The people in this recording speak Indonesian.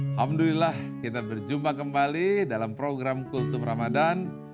alhamdulillah kita berjumpa kembali dalam program kultum ramadhan